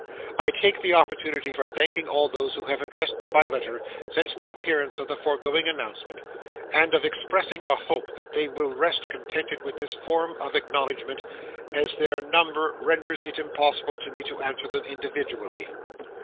I take the opportunity for thanking all those who have addressed me by letter since the appearance of the foregoing announcement; and of expressing a hope that they will rest contented with this form of acknowledgment, as their number renders it impossible to me to answer them individually.